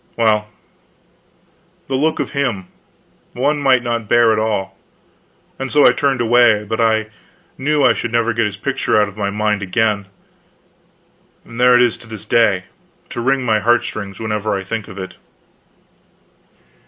well, the look of him one might not bear at all, and so I turned away; but I knew I should never get his picture out of my mind again, and there it is to this day, to wring my heartstrings whenever I think of it.